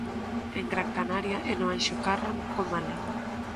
En Gran Canaria e no Anxo Carro co Málaga.